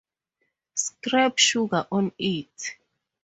Scrape sugar on it.